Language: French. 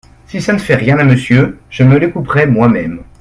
Si ça ne fait rien à Monsieur, je me les couperai moi-même…